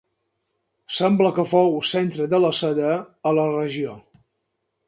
Sembla que fou centre de la seda a la regió.